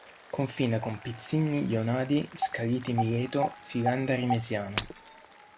Confina con Pizzinni-Jonadi, Scaliti-Mileto, Filandari-Mesiano.